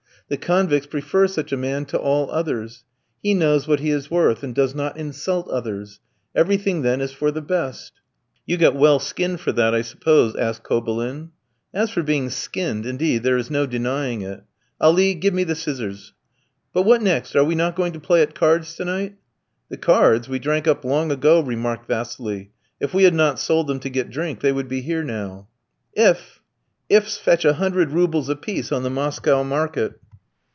The convicts prefer such a man to all others. He knows what he is worth, and does not insult others. Everything then is for the best. "You got well skinned for that, I suppose," asked Kobylin. "As for being skinned, indeed, there is no denying it. Ali, give me the scissors. But, what next; are we not going to play at cards to night?" "The cards we drank up long ago," remarked Vassili. "If we had not sold them to get drink they would be here now." "If! Ifs fetch a hundred roubles a piece on the Moscow market."